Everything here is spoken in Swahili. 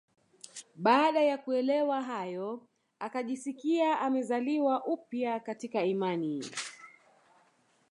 Baada ya kuelewa hayo akajisikia amezaliwa upya katika imani